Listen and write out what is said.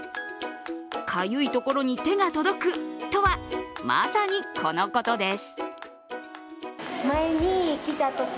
かゆいところに手が届くとはまさにこのことです。